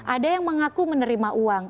ada yang mengaku menerima uang